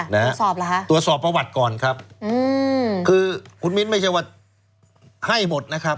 นะฮะตรวจสอบเหรอฮะตรวจสอบประวัติก่อนครับอืมคือคุณมิ้นไม่ใช่ว่าให้หมดนะครับ